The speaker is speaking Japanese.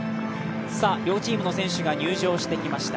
両チームの選手が入場してきました。